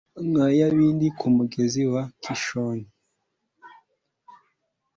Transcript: nka yabini ku mugezi wa kishoni